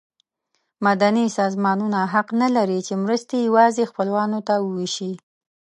مدني سازمانونه حق نه لري چې مرستې یوازې خپلوانو ته وویشي.